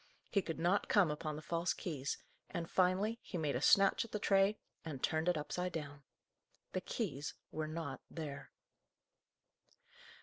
He could not come upon the false keys, and, finally, he made a snatch at the tray, and turned it upside down. The keys were not there.